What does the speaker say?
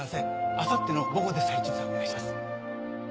あさっての午後で再調整お願いします。